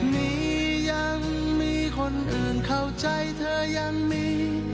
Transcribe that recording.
มียังมีคนอื่นเข้าใจเธอยังมี